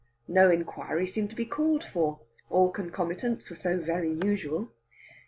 No inquiry seemed to be called for; all concomitants were so very usual.